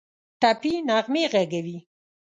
ټپي نغمې ږغوي